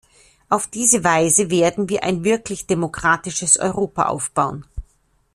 Auf diese Weise werden wir ein wirklich demokratisches Europa aufbauen.